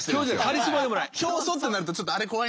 カリスマでもない。